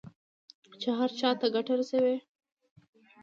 چې هر چا ته ګټه رسوي.